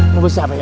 mau bersiap aja